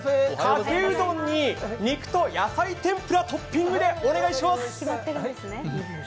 かけうどんに肉と野菜天ぷらトッピングでお願いします。